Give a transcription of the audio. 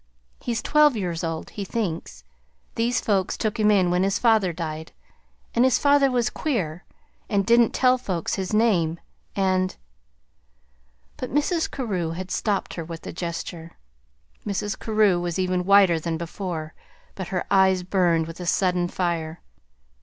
He's twelve years old, he thinks. These folks took him in when his father died, and his father was queer, and didn't tell folks his name, and " But Mrs. Carew had stopped her with a gesture. Mrs. Carew was even whiter than before, but her eyes burned with a sudden fire.